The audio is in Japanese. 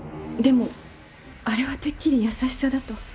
でもあれはてっきり優しさだと。